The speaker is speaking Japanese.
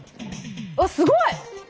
わっすごい！